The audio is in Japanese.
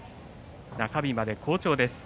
中日まで好調です。